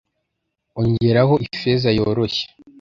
ongeraho ifeza yoroshye